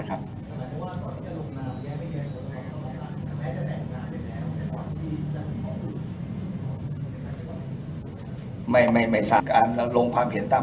น่าที่ของแมงอาการแต่ละส่วนครับ